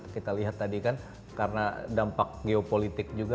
kita lihat tadi kan karena dampak geopolitik juga